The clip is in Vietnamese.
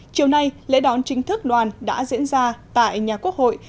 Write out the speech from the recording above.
chiều nay lễ đón chính thức đoàn đã diễn ra tại nhà quốc hội